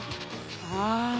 ああ。